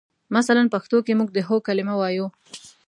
مثلاً پښتو کې موږ د هو کلمه وایو.